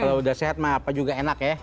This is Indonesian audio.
kalau udah sehat mah apa juga enak ya